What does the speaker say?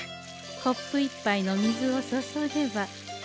コップ１ぱいの水を注げば。